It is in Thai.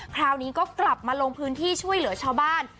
คราวนี้ก็กลับมาลงพื้นที่ช่วยเหลือชาวบ้าน